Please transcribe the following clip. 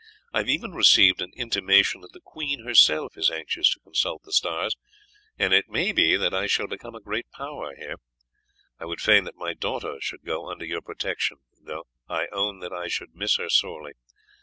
I have even received an intimation that the queen herself is anxious to consult the stars, and it may be that I shall become a great power here. I would fain that my daughter should go under your protection, though I own that I should miss her sorely.